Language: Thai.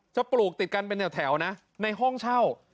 ปลูกติดกันเป็นแถวนะในห้องเช่า